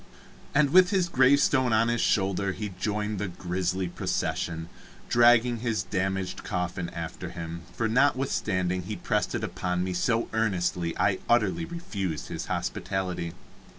And with his gravestone on his shoulder he joined the grisly procession, dragging his damaged coffin after him, for notwithstanding he pressed it upon me so earnestly, I utterly refused his hospitality.